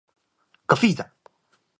ガフィーザ